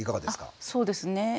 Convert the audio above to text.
あそうですね。